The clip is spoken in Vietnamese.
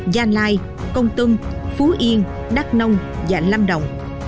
gia lai công tân phú yên đắk nông và lâm đồng